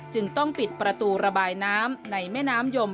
จึงต้องปิดประตูระบายน้ำในแม่น้ำยม